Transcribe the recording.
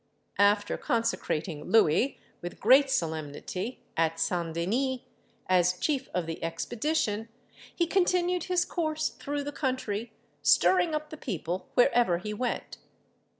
After consecrating Louis with great solemnity, at St. Denis, as chief of the expedition, he continued his course through the country, stirring up the people wherever he went.